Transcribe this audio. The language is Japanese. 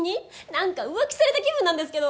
なんか浮気された気分なんですけど！